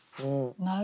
なるほど。